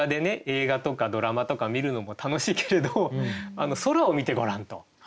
映画とかドラマとか見るのも楽しいけれど空を見てごらんと。